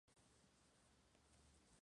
El final de la película es muy interesante.